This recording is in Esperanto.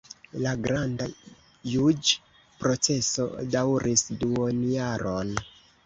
La granda juĝ-proceso daŭris duonjaron.